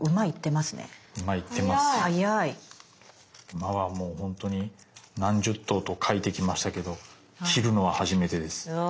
馬はもうほんとに何十頭と描いてきましたけど切るのは初めてです。